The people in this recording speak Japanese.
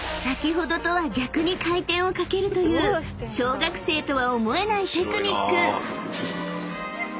［先ほどとは逆に回転をかけるという小学生とは思えないテクニック］